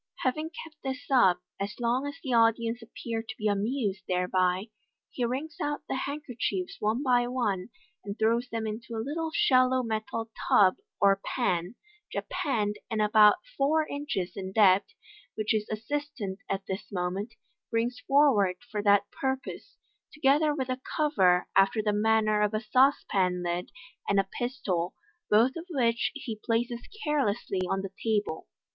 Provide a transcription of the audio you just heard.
Having kept this up as long as the audience appear to be amused thereby, he wrings out the handkerchiefs one by one, and throws them into a little shallow metal tub or pan (japanned, and about four inches in depth), which his assistant at this moment brings forward for that purpose, together with a cover after the manner of a sauce pan lid, and a pistol, both of which he places carelessly on the table.